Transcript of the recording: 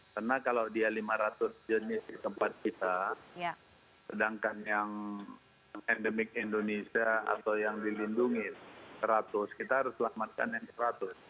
karena kalau dia lima ratus jenis di tempat kita sedangkan yang endemik indonesia atau yang dilindungi seratus kita harus selamatkan yang seratus